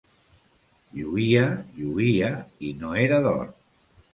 Lluïa, lluïa i no era d'or.